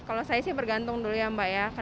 kalau saya sih bergantung dulu ya mbak ya